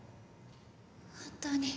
本当に。